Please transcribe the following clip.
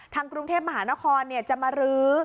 กรุงเทพมหานครจะมารื้อ